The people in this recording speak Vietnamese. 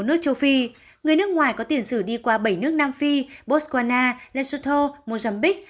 nước châu phi người nước ngoài có tiền sử đi qua bảy nước nam phi botswana lesotho mozambique